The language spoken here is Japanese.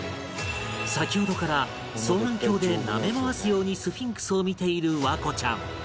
先ほどから双眼鏡でなめ回すようにスフィンクスを見ている環子ちゃん